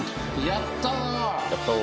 やったぞ！